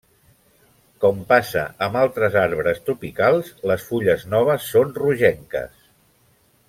Com passa amb altres arbres tropicals, les fulles noves són rogenques.